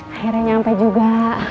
akhirnya nyampe juga